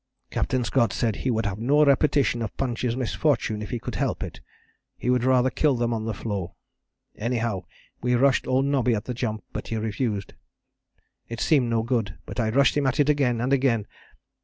Captain Scott said he would have no repetition of Punch's misfortune if he could help it. He would rather kill them on the floe. Anyhow, we rushed old Nobby at the jump, but he refused. It seemed no good, but I rushed him at it again and again.